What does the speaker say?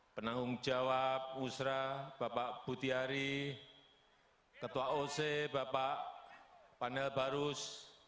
penanggung jawab usra bapak butiari ketua oc bapak panel barus